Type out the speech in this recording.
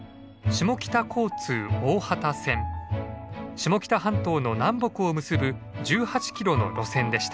下北半島の南北を結ぶ１８キロの路線でした。